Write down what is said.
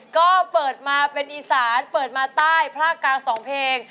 ก็เปิดมาเป็นอีสานเปิดมาใต้ภาคกลางสองเพลง